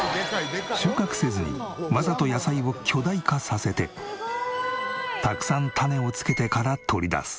収穫せずにわざと野菜を巨大化させてたくさん種をつけてから取り出す。